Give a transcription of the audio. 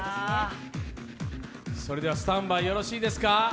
それではスタンバイよろしいですか。